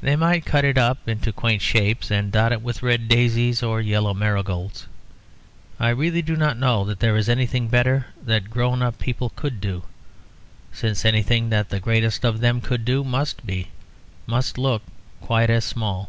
They might cut it up into quaint shapes and dot it with red daisies or yellow marigolds. I really do not know that there is anything better that grown up people could do, since anything that the greatest of them could do must be, must look quite as small.